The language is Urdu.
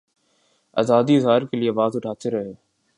آزادیٔ اظہار کیلئے آواز اٹھاتے رہے۔